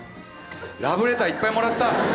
ラブレターいっぱいもらった。